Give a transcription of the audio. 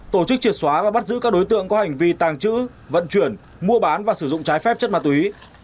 tổ chức triệt xóa và bắt giữ các đối tượng có hành vi tàng trữ vận chuyển mua bán và sử dụng trái phép chất ma túy